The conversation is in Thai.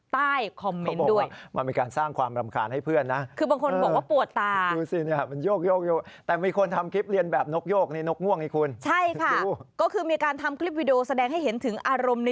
ใต้คอมเมนต์ด้วยเขาบอกว่าคือบางคนบอกว่ามันมีการสร้างความรำคาญให้เพื่อนนะ